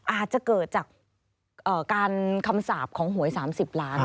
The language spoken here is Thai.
อาจจะเกิดจากการคำสาปของหวย๓๐ล้าน